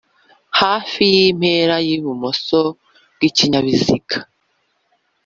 Hafi y’impera y’ibumoso bw’ikinyabiziga